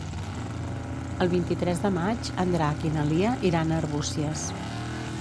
El vint-i-tres de maig en Drac i na Lia iran a Arbúcies.